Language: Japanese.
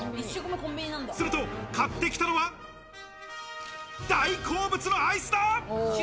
すると、買ってきたのは大好物のアイスだ。